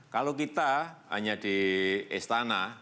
kalau kita hanya di istana